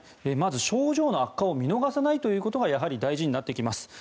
まず症状の悪化を見逃さないということが大事になってきます。